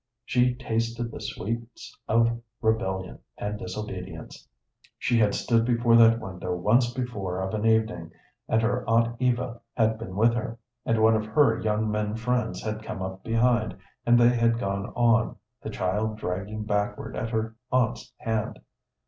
She tasted the sweets of rebellion and disobedience. She had stood before that window once before of an evening, and her aunt Eva had been with her, and one of her young men friends had come up behind, and they had gone on, the child dragging backward at her aunt's hand.